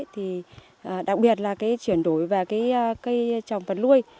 thì đặc biệt là cái chuyển đổi về cái cây trồng vật nuôi